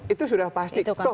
itu sudah pasti